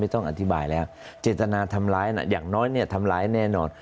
ต้องอธิบายแล้วเจตนาทำร้ายอย่างน้อยเนี่ยทำร้ายแน่นอน